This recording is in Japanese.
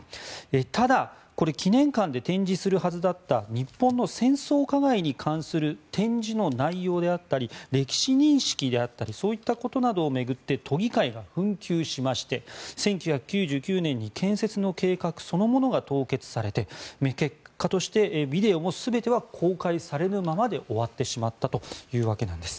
ただ、これ祈念館で展示するはずだった日本の戦争加害に関する展示の内容であったり歴史認識であったりそういったことなどを巡って都議会が紛糾しまして１９９９年に建設の計画そのものが凍結されて結果としてビデオも全ては公開されぬままで終わってしまったんです。